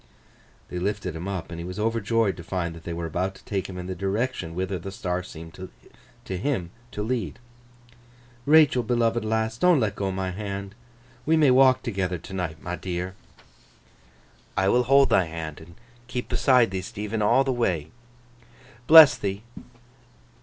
They lifted him up, and he was overjoyed to find that they were about to take him in the direction whither the star seemed to him to lead. 'Rachael, beloved lass! Don't let go my hand. We may walk toogether t'night, my dear!' 'I will hold thy hand, and keep beside thee, Stephen, all the way.' 'Bless thee!